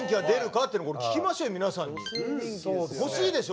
欲しいでしょ？